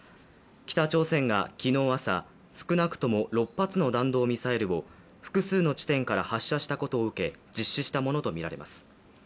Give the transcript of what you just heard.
北朝鮮が昨日朝、少なくとも６発の弾道ミサイルを複数の地点から発射したことを受け実施したものとみられます。